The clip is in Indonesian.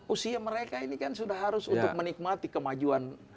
usia mereka ini kan sudah harus untuk menikmati kemajuan